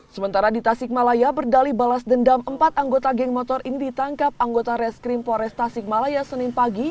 sementara di tasikmalaya berdali balas dendam empat anggota geng motor ini ditangkap anggota reskrim pores tasikmalaya senin pagi